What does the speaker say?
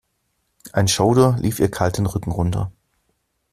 Ein Schauder lief ihr kalt den Rücken runter.